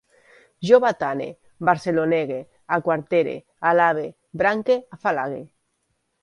Jo batane, barcelonege, aquartere, alabe, branque, afalague